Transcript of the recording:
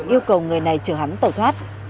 yêu cầu người này chở hắn tẩu thoát